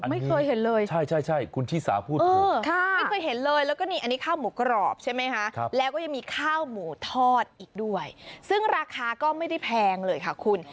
ไม่เคยเห็นเลยใช่ใช่คุณชิสาพูดถูกไม่เคยเห็นเลยแล้วก็นี่อันนี้ข้าวหมูกรอบใช่ไหมคะแล้วก็ยังมีข้าวหมูทอดอีกด้วยซึ่งราคาก็ไม่ได้แพงเลยค่ะคุณ